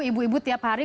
ibu ibu tiap hari